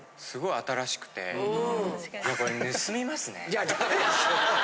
いやダメでしょ。